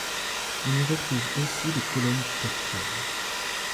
On y retrouve aussi les colonnes du Capitole.